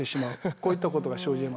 こういったことが生じます。